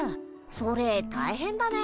それ大変だね。